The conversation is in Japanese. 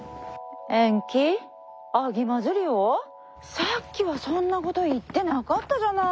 さっきはそんなごど言ってながったじゃない。